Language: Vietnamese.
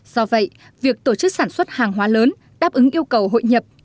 do vậy việc tổ chức sản xuất hàng hóa lớn đáp ứng yêu cầu hội nhập